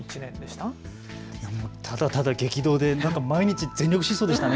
ただただ、激動で毎日、全力疾走でしたね。